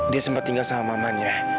dia sempat tinggal sama mamanya